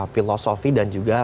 filosofi dan juga